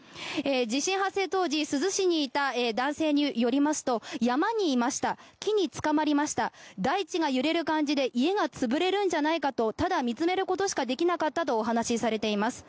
地震発生当時珠洲市にいた男性によりますと山にいました木につかまりました大地が揺れる感じで家が潰れるんじゃないかとただ見つめることしかできなかったとお話しされています。